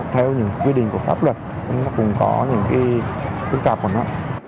theo những quy định của pháp luật cũng có những phức tạp của nó